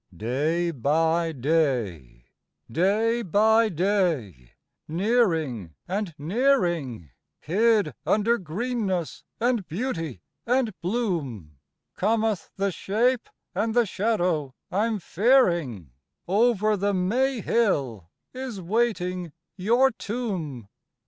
Day by day, day by day, nearing and nearing, Hid under greenness, and beauty and bloom, Cometh the shape and the shadow I'm fearing, "Over the May hill" is waiting your tomb.